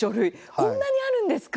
こんなにあるんですか？